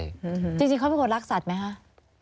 จริงเขาเป็นคนรักสัตว์ไหมคะ